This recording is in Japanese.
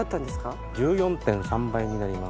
１４．３倍になります。